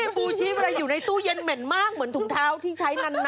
เป็นเหม่นมากเหมือนถุงเท้าที่ใช้นาน